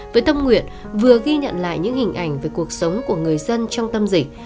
với tâm nguyện vừa ghi nhận lại những hình ảnh về cuộc sống của người dân trong tâm dịch